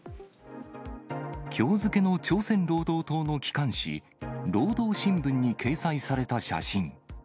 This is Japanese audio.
きょう付けの朝鮮労働党の機関紙、労働新聞に掲載された写真。